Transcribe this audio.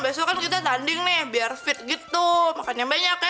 besok kan kita tanding nih biar fit gitu makannya banyak ya